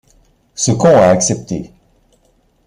Ce con a accepté.